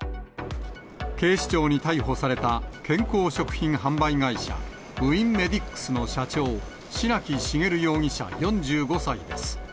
警視庁に逮捕された健康食品販売会社、ウィンメディックスの社長、白木茂容疑者４５歳です。